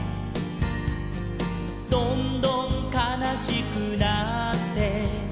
「どんどんかなしくなって」